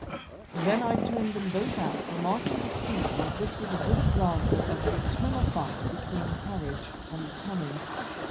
Then I turned them both out, remarking to Stephen that this was a good example of the eternal fight between courage and cunning.